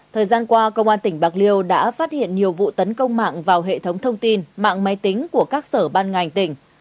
thời gian qua công an tỉnh bạc liêu đã phát hiện nhiều vụ tấn công mạng vào hệ thống thông tin mạng máy tính của các sở ban ngành tỉnh